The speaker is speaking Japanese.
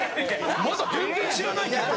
まだ全然知らないけど！